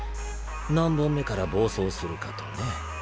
何本目から暴走するかとね。